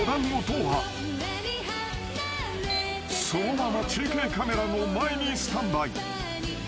［そのまま中継カメラの前にスタンバイ］